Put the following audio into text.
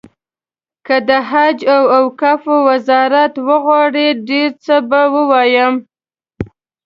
که د حج او اوقافو وزارت وغواړي ډېر څه به ووایم.